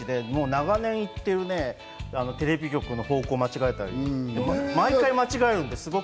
長年行っているね、テレビ局の方向間違えたり、毎回間違えるんで。